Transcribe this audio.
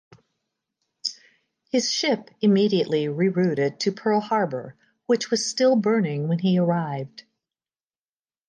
His ship immediately rerouted to Pearl Harbor which was still burning when he arrived.